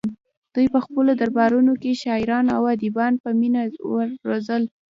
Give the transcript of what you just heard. دوی په خپلو دربارونو کې شاعران او ادیبان په مینه روزل